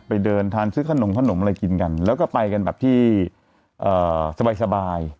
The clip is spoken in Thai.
ไปเดินทานซื้อขนมขนมอะไรกินกันแล้วก็ไปกันแบบที่สบาย